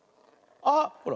あっほら。